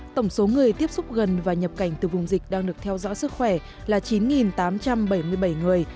tổng số người tiếp xúc gần và nhập cảnh từ vùng dịch đang được theo dõi sức khỏe là chín tám trăm bảy mươi bảy người